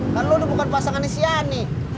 kan lu udah bukan pasangan isian nih